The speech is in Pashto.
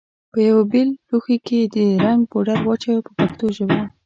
په یوه بېل لوښي کې د رنګ پوډر واچوئ په پښتو ژبه.